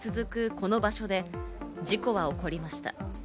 この場所で、事故は起こりました。